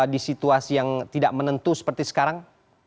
di situasi yang tidak menentu seperti sekarang